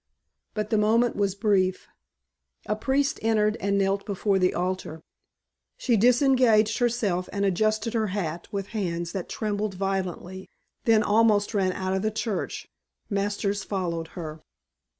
But the moment was brief. A priest entered and knelt before the altar. She disengaged herself and adjusted her hat with hands that trembled violently, then almost ran out of the church. Masters followed her.